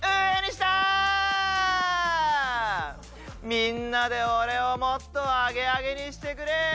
みんなで俺をもっとアゲアゲにしてくれ！